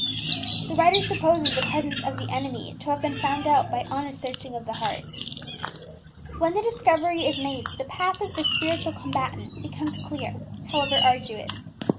The writer supposes the presence of the enemy to have been found out by honest searching of the heart: "When the discovery is made, the path of the spiritual combatant becomes clear, however arduous.